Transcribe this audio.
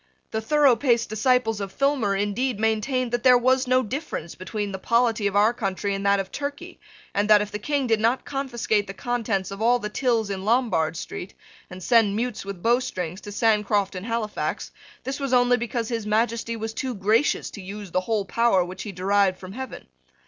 The thoroughpaced disciples of Filmer, indeed, maintained that there was no difference whatever between the polity of our country and that of Turkey, and that, if the King did not confiscate the contents of all the tills in Lombard Street, and send mutes with bowstrings to Sancroft and Halifax, this was only because His Majesty was too gracious to use the whole power which he derived from heaven.